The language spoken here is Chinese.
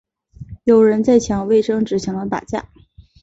有人在抢卫生纸抢到打架